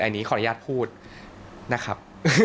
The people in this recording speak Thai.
อันนี้ขออนุญาตพูดนะครับ